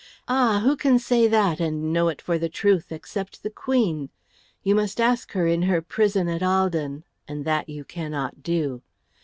"Ah, who can say that, and know it for the truth except the Queen? You must ask her in her prison at Ahlden, and that you cannot do.